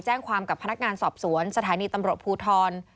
แจ้งความกับพนักงานสอบสวนสถานีตำรวจภูทร